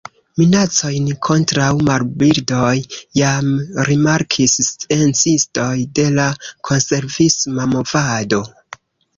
Minacojn kontraŭ marbirdoj jam rimarkis sciencistoj de la konservisma movado.